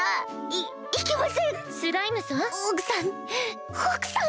スライムさん！